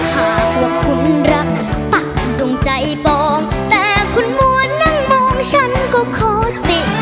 หากว่าคุณรักปักตรงใจฟองแต่คุณมัวนั่งมองฉันก็ขอติ